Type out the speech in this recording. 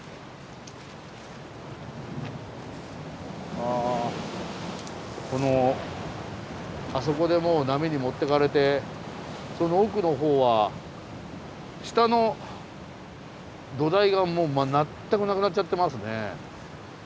あこのあそこでもう波に持ってかれてその奥のほうは下の土台が全くなくなっちゃってますね。